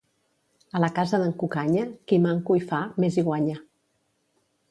A la casa d'en Cucanya, qui manco hi fa, més hi guanya.